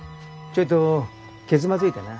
ちょいと蹴つまずいてな。